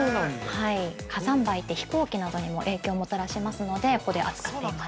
火山灰って、飛行機などにも影響をもたらしますので、ここで扱っています。